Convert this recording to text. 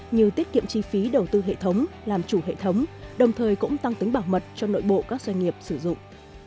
như tiết kiệm chi phí đầu tư hệ thống làm chủ hệ thống đồng thời cũng tăng tính bảo mật cho nội bộ các doanh nghiệp sử dụng